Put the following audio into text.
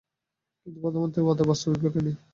কিন্তু প্রধানমন্ত্রীর ওয়াদার বাস্তবায়ন ঘটেনি।